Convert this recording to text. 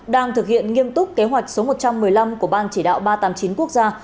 đang thực hiện nghiêm túc kế hoạch số một trăm một mươi năm của ban chỉ đạo ba trăm tám mươi chín quốc gia